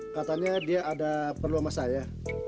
katanya dia ada perlu sama saya